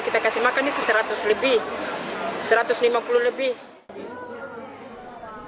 kita kasih makan itu seratus lebih satu ratus lima puluh lebih